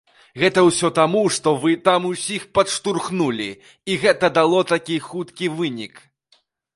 Гэта ўсё таму, што вы там усіх падштурхнулі і гэта дало такі хуткі вынік.